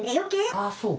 ああそうか。